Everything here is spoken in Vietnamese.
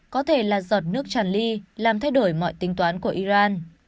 có thể là giọt nước tràn ly làm thay đổi mọi tính toán của iran